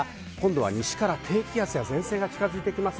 西から低気圧や前線が近づいてきます。